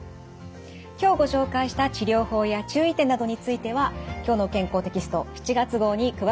今日ご紹介した治療法や注意点などについては「きょうの健康」テキスト７月号に詳しく掲載されています。